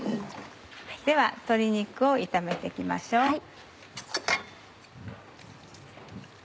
では鶏肉を炒めて行きましょう。